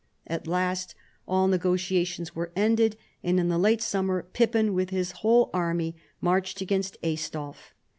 At last all negotiations were ended, and in the late summer Pippin with his whole army marched against Aistulf.